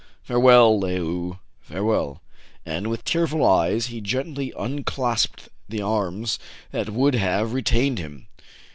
Farewell, Le ou ! farewell !" And with tearful eyes he gently unclasped the arms that would have retained him.